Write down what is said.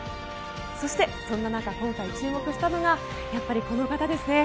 そして、そんな中今回注目したのがやっぱりこの方ですね。